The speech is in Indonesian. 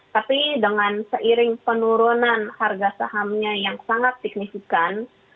tapi dengan seiring penurunan harga sahamnya yang sangat signifikan